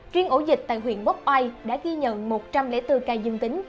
riêng ổ dịch tại huyện quốc oai đã ghi nhận một trăm linh bốn ca dương tính